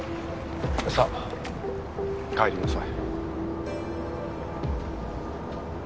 さあ帰りなさい